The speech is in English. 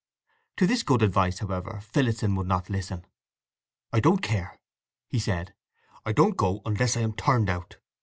To this good advice, however, Phillotson would not listen. "I don't care," he said. "I don't go unless I am turned out.